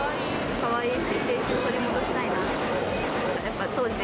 かわいいし、青春取り戻したいなって。